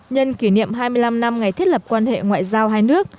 nhân kỷ niệm hai mươi năm năm ngày thiết lập quan hệ ngoại giao hai nước